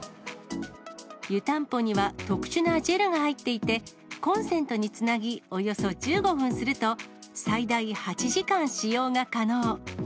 湯たんぽには特殊なジェルが入っていて、コンセントにつなぎ、およそ１５分すると、最大８時間使用が可能。